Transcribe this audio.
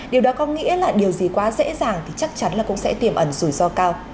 điều đó có nghĩa là điều gì quá dễ dàng thì chắc chắn là cũng sẽ tiềm ẩn rủi ro cao